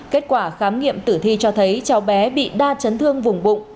kết quả khám nghiệm tử thi cho thấy cháu bé bị đa chấn thương vùng bụng